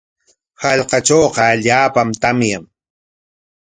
Hallqatrawqa allaapam tamyan.